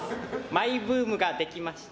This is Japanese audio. マイブームができました。